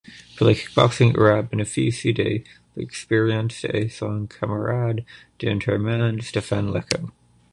Pour le kick-boxing, Arrab bénéficie de l'expérience de son camarade d'entraînement Stefan Leko.